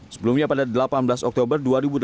sebelumnya pada delapan belas oktober dua ribu delapan belas